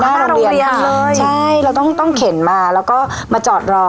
หน้าโรงเรียนเลยใช่เราต้องต้องเข็นมาแล้วก็มาจอดรอ